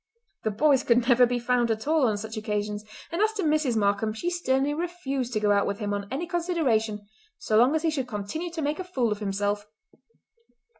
The boys could never be found at all on such occasions, and as to Mrs. Markam she sternly refused to go out with him on any consideration so long as he should continue to make a fool of himself.